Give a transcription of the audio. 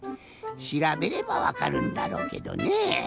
しらべればわかるんだろうけどねえ。